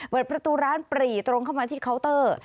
เปิดประตูร้านปรีตรงเข้ามาที่เคาน์เตอร์